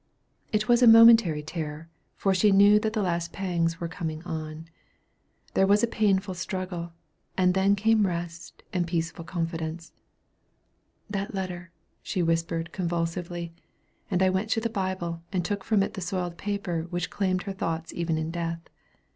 It was a momentary terror, for she knew that the last pangs were coming on. There was a painful struggle, and then came rest and peaceful confidence. "That letter," whispered she convulsively; and I went to the Bible, and took from it the soiled paper which claimed her thoughts even in death.